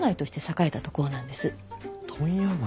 問屋街。